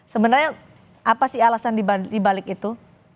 sebenarnya apa sih alasan dibalik itu